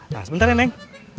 nah sebentar ya neng